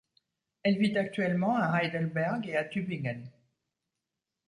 Elle vit actuellement à Heidelberg et à Tübingen.